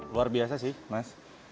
luar biasa sih mas